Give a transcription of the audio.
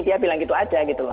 dia bilang gitu aja gitu loh